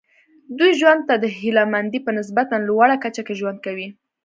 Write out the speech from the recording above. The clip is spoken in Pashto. دوی ژوند ته د هیله مندۍ په نسبتا لوړه کچه کې ژوند کوي.